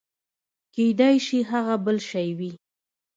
کېداى سي هغه بل شى وي.